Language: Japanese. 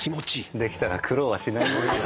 できたら苦労はしないです。